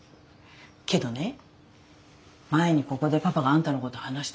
けどね前にここでパパがあんたのこと話した時。